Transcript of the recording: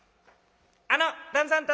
「あの旦さん